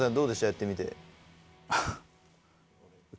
やってみて。